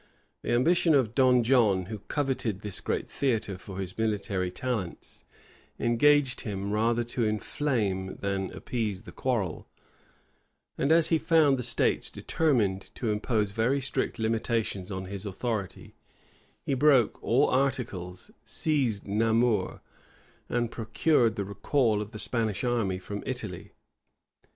The ambition of Don John, who coveted this great theatre for his military talents engaged him rather to inflame than appease the quarrel; and as he found the states determined to impose very strict limitations on his authority, he broke all articles, seized Namur, and procured the recall of the Spanish army from Italy.